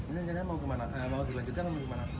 ini caranya mau kemana mau dilanjutkan atau kemana